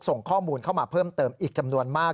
ส่งข้อมูลเข้ามาเพิ่มเติมอีกจำนวนมาก